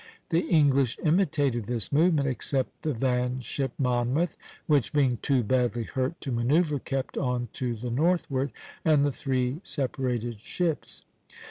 The English imitated this movement, except the van ship "Monmouth" (a'), which being too badly hurt to manoeuvre kept on to the northward, and the three separated ships.